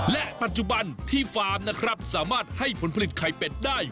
และปัจจุบันที่ฟาร์มนะครับสามารถให้ผลผลิตไข่เป็ดได้